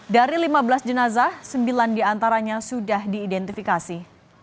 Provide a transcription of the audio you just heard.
dari lima belas jenazah sembilan diantaranya sudah diidentifikasi